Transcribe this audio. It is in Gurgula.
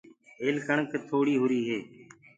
هيل ڪڻڪ گھٽ هوُري هي۔